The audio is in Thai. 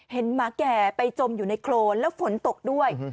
หมาแก่ไปจมอยู่ในโครนแล้วฝนตกด้วย